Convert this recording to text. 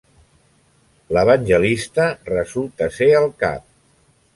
L'evangelista resulta ser el cap.